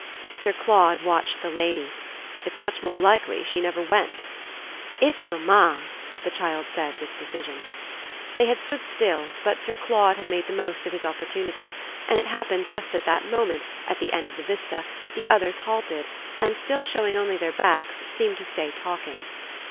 Sir Claude watched the lady. "It's much more likely she never went!" "It's mamma!" the child said with decision. They had stood still, but Sir Claude had made the most of his opportunity, and it happened that just at this moment, at the end of the vista, the others halted and, still showing only their backs, seemed to stay talking.